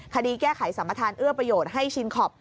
คดีแก้ไขสัมประธานเอื้อประโยชน์ให้ชินคอป